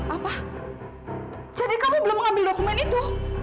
apa jadi kami belum mengambil dokumen itu